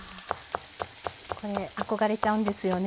これ憧れちゃうんですよね。